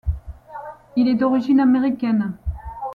Il est d'origine américaine.